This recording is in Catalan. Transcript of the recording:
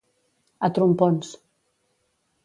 A trompons.